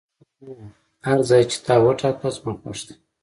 هو، هر ځای چې تا وټاکه زما خوښ دی.